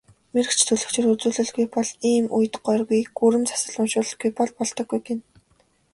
Мэргэч төлгөчөөр үзүүлэлгүй бол ийм үед горьгүй, гүрэм засал уншуулалгүй бол болдоггүй гэнэ.